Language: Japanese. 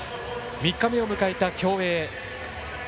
３日目を迎えた競泳。